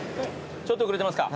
ちょっと遅れてますか。